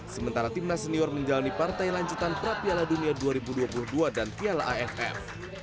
sementara timnas senior menjalani partai lanjutan pra piala dunia dua ribu dua puluh dua dan piala aff